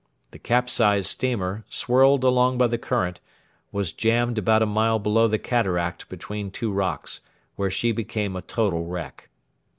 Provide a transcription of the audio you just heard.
The capsized steamer, swirled along by the current, was jammed about a mile below the cataract between two rocks, where she became a total wreck.